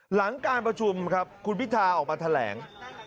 หลังการประชุมครับคุณพิธาออกมาแถลง